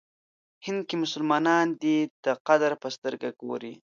هند کې مسلمانان دی ته قدر په سترګه ګوري.